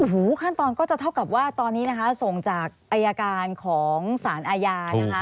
ทุกขั้นตอนก็จะเท่ากับว่าตอนนี้ส่งจากอายาการของสารอายา